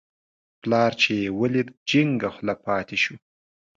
پلار چې یې ولید، جینګه خوله پاتې شو.